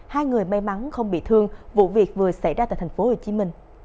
hai người may mắn không bị thương vụ việc vừa xảy ra tại tp hcm